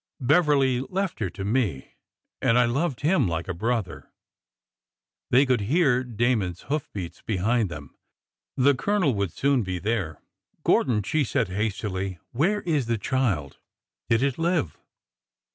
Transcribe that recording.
Beverly left her to me. And — I loved him like a brother."' They could hear Damon's hoof beats behind them. The Colonel would soon be there. Gordon," she said hastily, '' where is the child ? Did it live